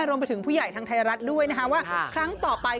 รวมไปถึงผู้ใหญ่ทางไทยรัฐด้วยนะคะว่าครั้งต่อไป